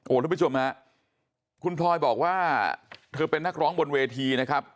โอ้คุณผู้ชมครับคุณทรอยบอกว่าเธอเป็นนักร้องบนเวทีนะครับ